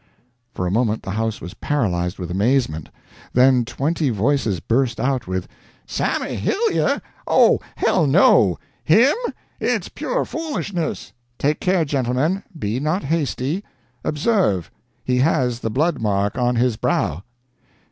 For a moment the house was paralyzed with amazement; then twenty voices burst out with: "Sammy Hillyer? Oh, hell, no! Him? It's pure foolishness!" "Take care, gentlemen be not hasty. Observe he has the blood mark on his brow."